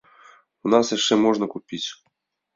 У нас яшчэ можна купіць.